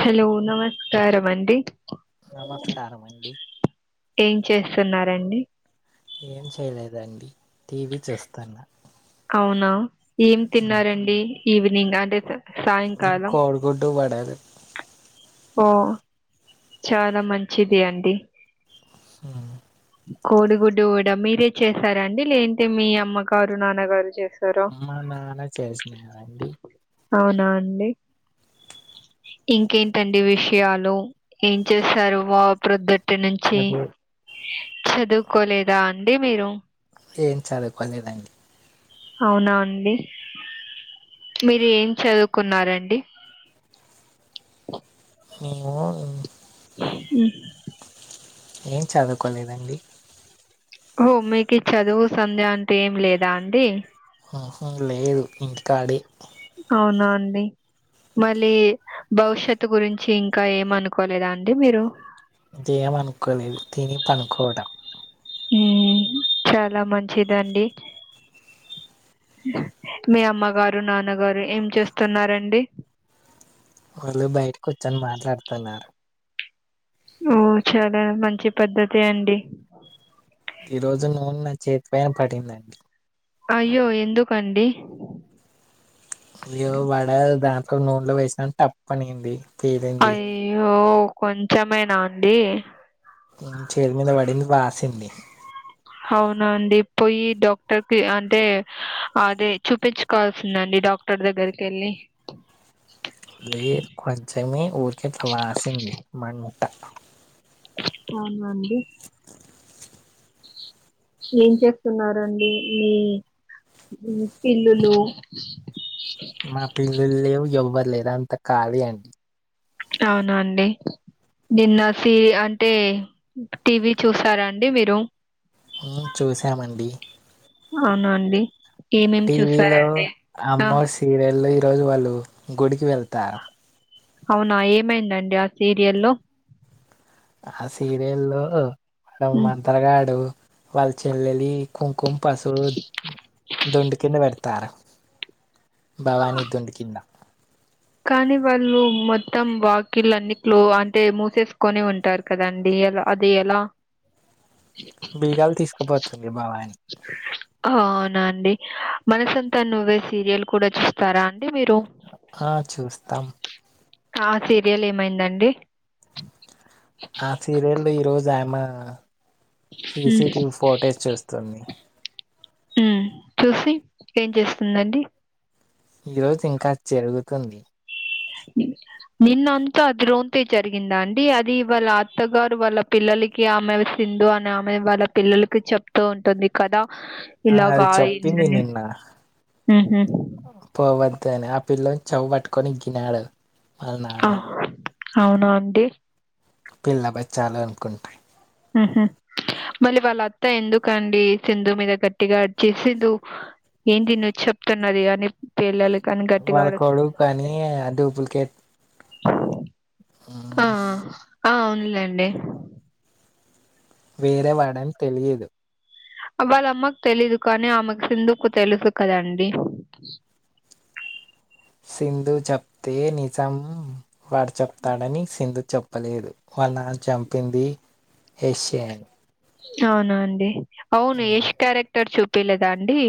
Hello నమస్కారం అండి నమస్కార అండి ఏం చేస్తున్నారండి ఏం చేయలేదండి టీవీ చూస్తాన్నా అవునా ఏం తిన్నారండి ఈవినింగ్ అంటే సాయంకాలం కోడి గుడ్డు వడలు ఓ చాలా మంచిది అండి స కోడిగుడ్డు కూడా మీరే చేసారండి లేంటే మీ అమ్మగారు నాన్నగారు చేస్ అ మా నానా చేసినారండి అవునా అండి ఇంకేంటండి విషయాలు ఏం చేస్తారు వా ప్రొద్దుటి నుంచి అదే చదువుకోలేదా అండి మీరు ఏం చదువుకోలేదండి అవునా అండి మీరు ఏం చదువుకున్నారండి నేను అ ఏం చదువుకోలేదండి మీకి చదువు సంధ్య అంటే ఏం లేదా అండి ఆహ లేదు ఇంటికాడే అవునా అండి మళ్ళీ భవిష్యత్ గురించి ఇంకా ఏమనుకోలేదా అండి మీరు ఏం అనుకోలేదు తిని పనుకోవడం ఉమ్ చాలా మంచిదండి మీ అమ్మగారు నాన్నగారు ఏం చేస్తున్నారండి వాళ్ళు బయట కూర్చొని మాట్లాడుతున్నారు ఓ చాలా మంచి పద్ధతి అండి ఈ రోజు నూనె నా చేతి పైన పడిందండి అయ్యో ఎందుకండి య్యో వడ దాంట్లో నూనెలో వేసినా తప్ప అనింది తేలింది యో కొంచమేనా అండి చేతి మీద పడింది వాసింది అవున అండి పోయి డాక్టర్ కి అంటే అదే చూపించు కాల్సిందండి డాక్టర్ దగ్గరికి వెళ్ళి లేదు కొంచమే ఊరికే అట్ల వాసింది మంట అవునాండి ఏం చేస్తున్నారండి మీ పిల్లులు మా పిల్లలు లేవు ఎవరు లేరు అంత ఖాళీ అండి అవునా అండి నిన్న సీ అంటే టీవీ చూసారా అండి మీరు చూసామండి అవున అండి ఏమేమి టీవీలో చూసారండి అమ్మో సీరియల్లో ఈ రోజు వాళ్ళు గుడికి వెళ్తారు అవునా ఏమైందండి ఆ సీరియల్లో ఆ సీరియల్లో ఆ ఉమ్. మంత్రగాడు వాళ్ళ చెల్లెలి కుంకుమ పసుపు దొండుకింద పెడతారు భవాని దుండ కింద కానీ వాళ్ళు మొత్తం వాకిలు అన్నిట్లో అంటే మూసేసుకొని ఉంటారు కదండీ అది ఎలా బీగాలు తీసుకుపోతుంది భవాని [inaudible] అవునా అండి మనసంతా నువ్వే సీరియల్ కూడా చూస్తారా అండి మీరు. ఆ చూస్తాం ఆ సీరియల్ ఏమైందండి ఆ సీరియల్లో ఈరోజు ఆయమ్మా ఉమ్, సీసిటివీ ఫోటేజ్ చూస్తుంది. ఊ చూశి ఏం చేస్తుందండి. ఈ రోజు ఇంకా అ జరుగుతుంది నిన్నంతా అది రోంతే జరిగిందా అండీ అది వాళ్ళా అత్తగారు వాళ్ళ పిల్లలిక్ కీ ఆమె సింధు అనే ఆమె వాళ్ళ పిల్లలకి చెప్తూ ఉంటుంది కదా. ఆ ఇలాగా అది చెప్పింది అయిందని ఊహు పోవద్దని ఆ పిల్లోన్ చెవ్వు పట్టుకొని ఇంకినాడు. ఆహ్ అవునా అండి పిల్ల బచ్చాలు అనుకుంటాయి ఊహు మళ్ళీ వాళ్ళ అత్తా ఎందుకండీ సింధు మీద గట్టిగా అరిచే సింధు ఏంది నువ్వు చెప్తున్నది అనిప్ పిల్లలు కని వాళ్ళ కొడుకనీయే డూప్లికేట్ ఆ ఉమ్, ఆ ఆ అవునులేండి వేరే వాడని తెలియదు వాళ్ళ అమ్మక్ తెలీదు కానీ ఆమెకు సింధుకు తెలుసు కదా అండి. సింధు చెప్తే నిజం వాడు చెప్తాడని సింధు చెప్పలేదు వాళ్ళ నాన్న చంపిందీ ఎష్షే అనీ అవునా అండి అవును ఉమ్. యష్ క్యారెక్టర్ చూపియలేదా అండి.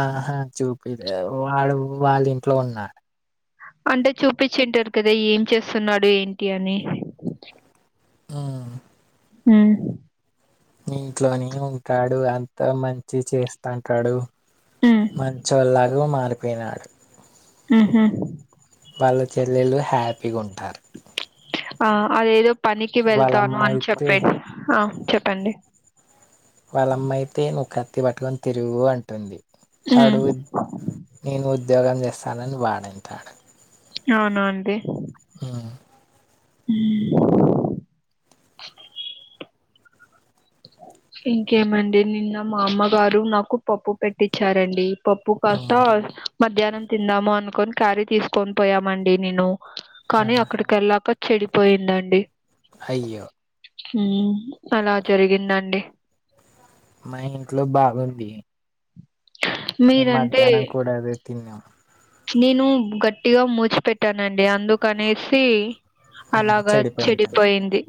ఆహా చూపియ్యలే వాడు వాళ్ళ ఇంట్లో ఉన్నా. అంటే చూపిచ్చి ఉంటరు కదా ఏం చేస్తున్నాడు ఏంటి అని. ఆ హ్మ్ ఇంట్లోనే ఉంటాడు అంతా మంచి చేస్తాంటాడు. హ్మ్. మంచోళ్లాగు మారిపోయినాడు. ఊహు వాళ్ళ చెల్లెళ్ళు హ్యాపీగా ఉంటారు. ఆ అదేదో పనికి వెళ్తాను వాళ్ళమ్మ అని అయితే చెప్పాడ్ హా చెప్పండి. వాళ్ళమ్మ అయితే నువ్వు కత్తి పట్టుకొని తిరుగూ అంటుంది. హ్మ్. వాడు నేను ఉద్యోగం చేస్తానని వాడంటాడు. అవునా అండి హ్మ్ ఊ ఇంకేమండి నిన్న మా అమ్మగారు నాకు పప్పు పెట్టిచ్చారండి. పప్పు కాస్తా ఉమ్, మధ్యాహ్నం తిందాము అనుకొని క్యారీ తీసుకొని పోయామండి నేను. ఆ, కానీ అక్కడికి ఎళ్ళాక చెడిపోయిందండి. అయ్యో హ్ము అలా జరిగిందండి. మా ఇంట్లో బాగుంది మేమ్ మీరంటే మధ్యాహ్నం కూడా అదే తిన్నం నేను గట్టిగా మూచిపెట్టానండి అందుక్ కనేసి ఉమ్, అలాగా చెడిపోయింటుంది చెడిపోయింది.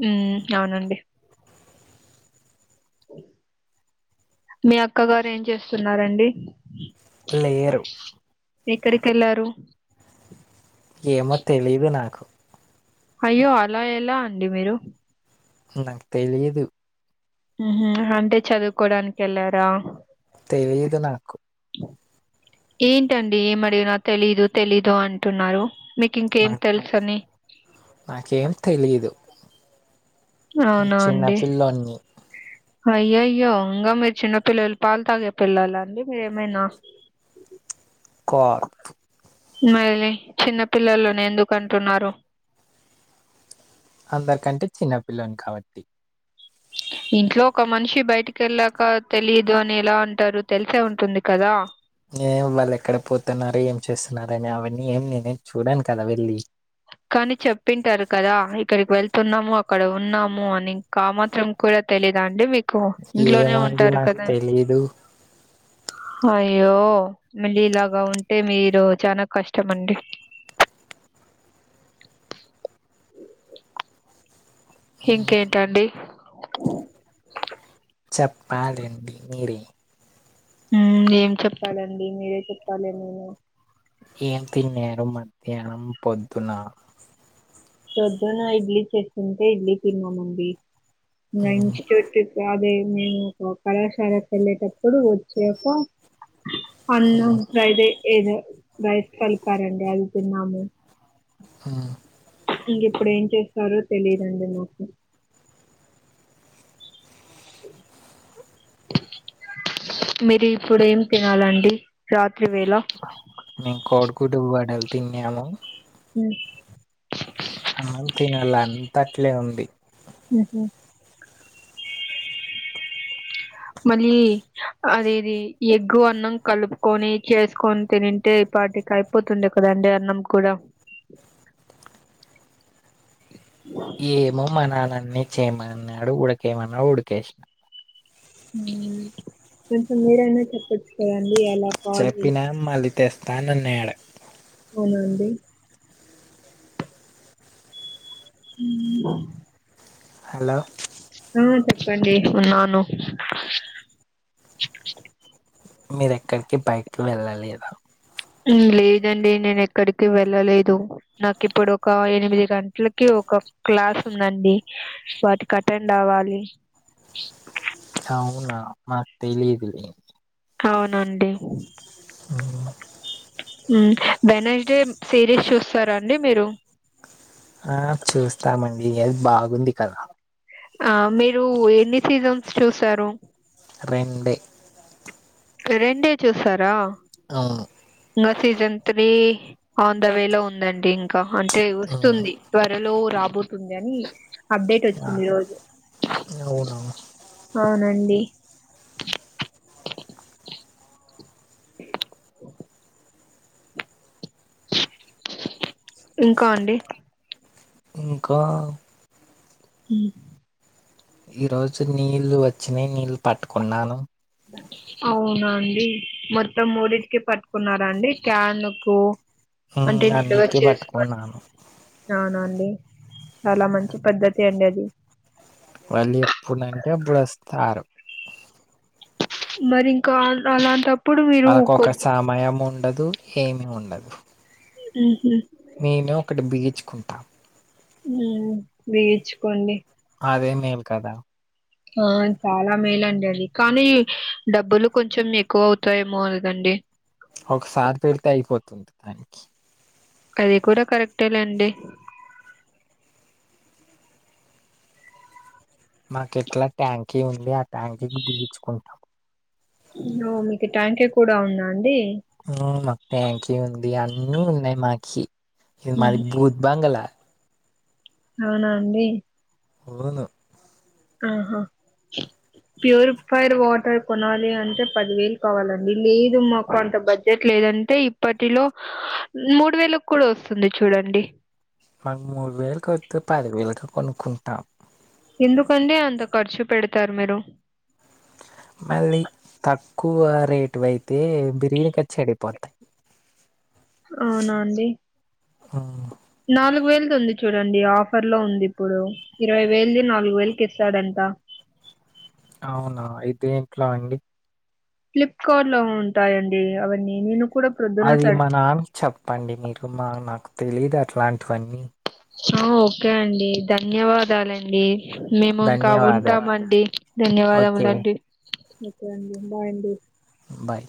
మీ అక్క గారు ఎన్ చేసున్నారండి లెయ్యరు ఇక్కడికి ఎల్లారు ఏమో తెలిదు నాకు అయ్యో అలా ఎలా అండి మీరు నాకు తెలిదు ఉహు అంటే చదుకోడానికి వెళ్ళారా తెలిదు నాకు ఏంటండి ఏమడిగిన తెలీదు తెలీదు అంటున్నారు మీకు ఇంకేం నాకు తెల్సనీ నాకేం తెలిదు చిన్నపిల్లోన్ని అ [unintelligible] అయ్యయ్యో ఇంగా మీ చిన్న పిల్లలు పాల్ తాగే పిల్లాల అండి మీరేమైనా ఇ [unintelligible] క్వా ను వేలి చిన్న పిల్లోల్లని ఎందుకు అంటున్నారు అందరికంటే చిన్నపిల్లోన్ని కాబట్టి ఇంట్లో ఒక మనిషి బైటికేళ్ళాక తెలియదు అని ఎలా అంటారు తేల్సే ఉంటుంది కదా ఏ వాళ్ళు ఎక్కడ పోతున్నారు ఏం చేసున్నారు అని అవన్నీ ఏం నేనేం చూడాను కదా వెళ్ళి కానీ చెప్పింటారు కదా ఇక్కడికి వెళ్తున్నాము అక్కడ ఉన్నాము అని ఇంకా మాత్రం కుడా తెలీదా అండి మీకూ ఇంట్లోనే ఏమండి ఉంటారు నాకు కదా తెలీదు అయ్యో మళ్ళీ ఇలాగా ఉంటే మీరు చానా కష్టం అండి ఇంకేంటండి చెప్పాలండి మీరే ఉమ్ ఏం చెప్పాలండి మీరే చెప్పాలి నేను ఏం తిన్యారు మధ్యానం పొద్దున పోద్దున ఇడ్లీ చెస్కుంటే ఇడ్లీ తిన్నామండి ఉమ్, లంచ్ చో అదే మేము ఒక కళాశాలకు వెళ్ళేటప్పుడు వచ్చాక అన్నం ఫ్రైడ్ ఏదో రైస్ కల్పరండి అది తిన్నాము హా ఇంగ ఇప్పుడు ఏం చేస్తారో తెలిదండి మాకు మీరు ఇప్పుడు ఏం తినాలండి రాత్రి వేళ నేను కోడ్ గుడ్డూ వడల్ తిన్యాము ఉమ్ అన్నం తినల్ల అంతట్లే ఉంది ఉహు మళ్ళీ అద ఎది ఎగ్గు అన్నం కలుపుకొని చేస్కొని తినిన్టె ఈ పాటికై పోతుండే కదా అండి అన్నం కూడా ఏమో మనానన్నీ చేయ్మన్నాడు ఉడకైమన్నాడు ఉడుకేష్నా ఉమ్ కొంచం మీరేనా చెప్పచుకదండీ అలా చెప్పినా మళ్ళీ తెస్తా నాన్నడు అవునండి హామ్ హలో ఆ చెప్పండి ఉన్నాను మీర్ ఎక్కడికి బైట్కీ వెళ్ళాలేదా లేదండి నేను ఎక్కడికి వెళ్ళలేదు నాకు ఇప్పుడు ఒక ఎనిమిది గంటలకి ఒక క్లాస్ ఉందండి వాటికి అటెండ్ అవ్వాలి అవునా మాక్ తెలిదులే అవునండి హుమ్ హుమ్ వెడ్నెస్డే సిరీస్ చూస్తారా అండి మీరు ఆ చూస్తామండి ఏ బాగుంది కదా ఆ మీరు ఎన్ని సీజన్స్ చూసారు రెండే రెండే చూసరా అవును ఇంకా season three on the way లో ఉందండి ఇంకా అంటే మ్మ్ వస్తుంది త్వరలో రాబోతుంది అని అప్డేట్ వచ్చింది ఈ రోజు అవును అవునండి ఇంకా అండి ఇంకా హుమ్ ఈ రోజు నీళ్ళు వచ్చినయి నీళ్లు పట్టుకున్నాను అవునా అండి మొత్తం మూడింటికి పట్టుకున్నారాండి క్యాన్ కు మ్మ్ అంటే నిలువ అన్నిటికీ చేసుకోని పట్టుకున్నాను అవునా అండి చాలా మంచి పద్ధతి అండి అది వాళ్ళు ఎప్పుడంటే అప్పుడు వస్తారు మరి ఇంకా అలాంటప్పుడు మీరు ఆళ్ళకొక కొద్ది సమయం ఉండదు ఏమి ఉండదు హుమ్ హు నేను ఒకటి బిగిచ్చుకుంటా హుమ్ బిగిచ్చు కోండి అదే మేలు కదా ఆ చాలా మేలండి అది కానీ డబ్బులు కొంచెం ఎక్కువ అవుతాయేమో కదండి ఒకసారి పెడితే అయిపోతుంది దానికి అది కూడా కరెక్టే లేండి మాకెట్లా ట్యాంకీ ఉంది ఆ ట్యాంకీకి బిగొచ్చుకుంటాం ఓ మీకు ట్యాంకి కూడా ఉంద అండి హు మాకు ట్యాంకి ఉంది అన్నీ ఉన్నాయి మాకి ఇది మాది మ్మ్. భూత్ బంగలా అవునా అండి ఉవను ఆహా ప్యూరిఫైడ్ వాటర్ కొనాలి అంటే పదివేలు కావాలండి లేదు మాకు అంత బడ్జెట్ లేదం అయితే ఇప్పటిలో మూడు వేలకు కూడా వస్తుంది చూడండి మాకు మూడు వేలుకి వద్దు పదివేలకి కొనుక్కుంటా ఎందుకండి అంత ఖర్చు పెడతారు మీరు మళ్ళీ తక్కువ రేటువయితే బిరిగా చెడిపోతాయి అవునా అండి ఆ నాలుగు వేలుది ఉంది చూడండి ఆఫర్లో ఉంది ఇప్పుడు ఇరవై వేలది నాలుగు వేలకి ఇస్తాడంట అవునా అయితే ఎంట్లా అండి ఫ్లిప్కా‌ర్ట్‌లో ఉంటాయండి అవన్నీ నేను కూడా ప్రొద్దున అది సర్ మా నాన్నకి చెప్పండి మీరు మా నాకు తెలిదు అట్లాంటివన్నీ ఆ ఓకే అండి ధన్యవాదాలండి మేము ఇంకా ధన్యవాదాలు ఉంటామండి ఓకే ధన్యవాదములండి ఓకే అండి బాయ్ అండి బాయ్